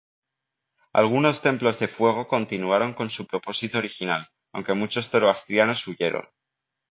Algunos templos de fuego continuaron con su propósito original aunque muchos zoroastrianos huyeron.